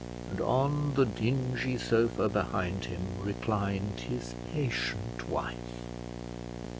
and on the dingy sofa behind him reclined his patient wife.